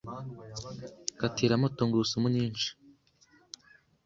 katiramo tungurusumu nyinshi